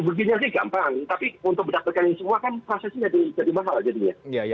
tapi untuk mendaktarkan semua kan prosesnya jadi mahal jadinya